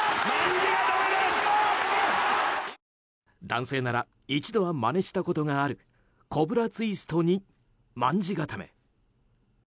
男性なら一度はまねしたことがあるコブラツイストに、卍固め。